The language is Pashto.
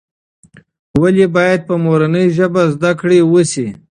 ولې باید په مورنۍ ژبه زده کړه وسي؟